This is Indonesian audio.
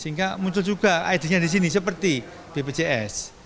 sehingga muncul juga id nya di sini seperti bpjs